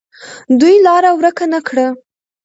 دوی لاره ورکه نه کړه.